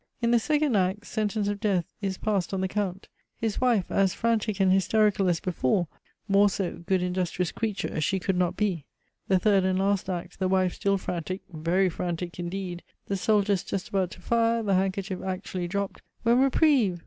In the second act sentence of death is passed on the Count his wife, as frantic and hysterical as before: more so (good industrious creature!) she could not be. The third and last act, the wife still frantic, very frantic indeed! the soldiers just about to fire, the handkerchief actually dropped; when reprieve!